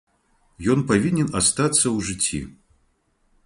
Ён павінен астацца ў жыцці.